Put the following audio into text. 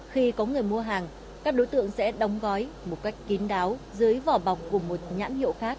khi có người mua hàng các đối tượng sẽ đóng gói một cách kín đáo dưới vỏ bọc của một nhãn hiệu khác